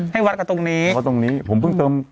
ให้วัดกับตรงนี้วัดตรงนี้ผมเพิ่งเติม